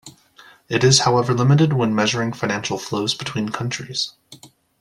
It is however limited when measuring financial flows between countries.